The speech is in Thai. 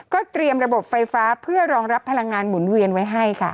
เตรียมระบบไฟฟ้าเพื่อรองรับพลังงานหมุนเวียนไว้ให้ค่ะ